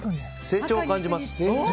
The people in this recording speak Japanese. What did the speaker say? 成長を感じます。